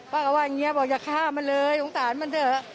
บอกกับว่าอย่างงี้จะฆ่ามันเลยสงสารมันเถอะ